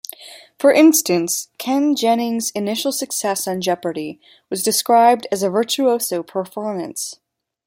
For instance, Ken Jennings' initial success on Jeopardy was described as a virtuoso performance.